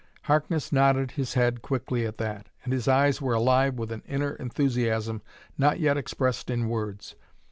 Harkness nodded his head quickly at that, and his eyes were alive with an inner enthusiasm not yet expressed in words.